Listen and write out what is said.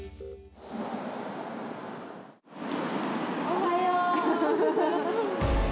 おはよう。